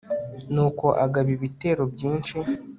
nuko agaba ibitero byinshi